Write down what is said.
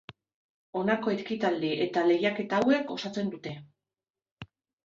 Honako ekitaldi eta lehiaketa hauek osatzen dute.